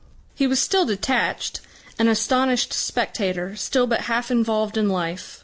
He was still detached, an astonished spectator, still but half involved in life.